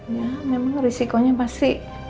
ya memang risikonya pasti